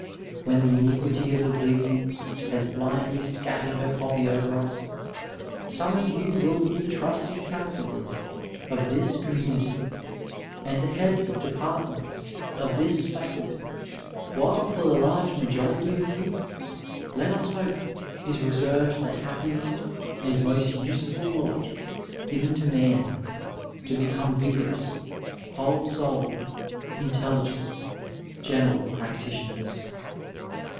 When the iniquity of oblivion has blindly scattered her poppy over us, some of you will be the trusted counsellors of this oom 872 Digitized by VjOOQiC THE MASTER WORD IN UEDICINE nmnity, apd the heads of departments of this Faculty ; while for the large majority of you, let us hope, is reserved the happiest and most useful lot given to man — ^to become vigorous, whole souled, intelligent, general practitioners.